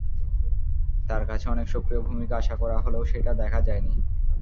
তাঁর কাছে অনেক সক্রিয় ভূমিকা আশা করা হলেও সেটা দেখা যায়নি।